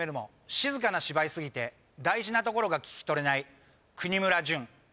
「静かな芝居すぎて大事な所が聞き取れない國村隼」